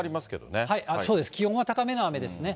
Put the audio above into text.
そうです、気温は高めの雨ですね。